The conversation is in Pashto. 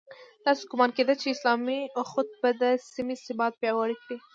داسې ګومان کېده چې اسلامي اُخوت به د سیمې ثبات پیاوړی کړي.